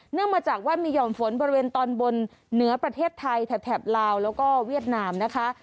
มาจากว่ามีห่อมฝนบริเวณตอนบนเหนือประเทศไทยแถบลาวแล้วก็เวียดนามนะคะ